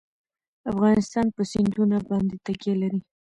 افغانستان په سیندونه باندې تکیه لري.